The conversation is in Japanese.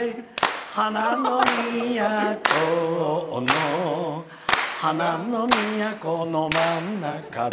「花の都の花の都の真ん中で」